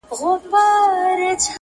زه د مشاعرو تګ ته په شاعرانو نه یم خپه